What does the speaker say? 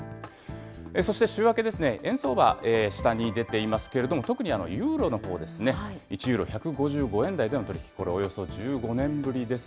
そして週明けですね、円相場、下に出ていますけれども、特にユーロのほうですね、１ユーロ１５５円台での取り引き、これおよそ１５年ぶりです。